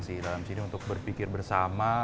di dalam sini untuk berpikir bersama